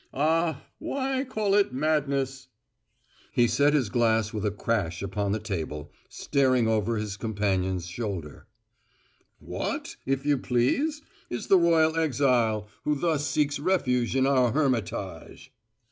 Ah, why call it madness " He set his glass with a crash upon the table, staring over his companion's shoulder. "What, if you please, is the royal exile who thus seeks refuge in our hermitage?"